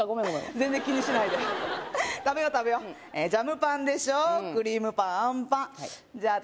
全然気にしないで食べよう食べようジャムパンでしょクリームパンあんパンじゃあ私